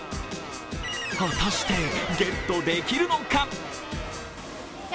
果たして、ゲットできるのか？